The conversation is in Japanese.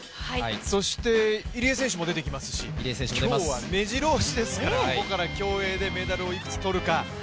そして入江選手も出てきますし、今日はめじろ押しですから今日は競泳でいくつメダルを取るか。